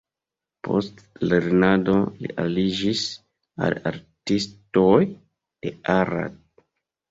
Post lernado li aliĝis al artistoj de Arad.